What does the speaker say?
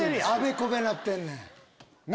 あべこべなってんねん。